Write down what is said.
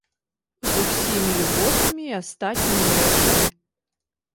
З усімі льготамі і астатнімі рэчамі.